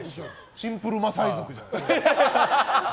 シンプルマサイ族じゃない。